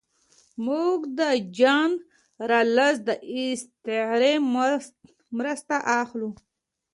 موږ د جان رالز د استعارې مرسته اخلو.